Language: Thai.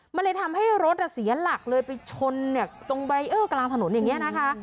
มันเลยทำให้รถเสียหลักเลยไปชนตรงบารีเออร์กลางถนนอย่างนี้นะคะ